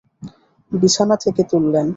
বিছানা থেকে তুললেন।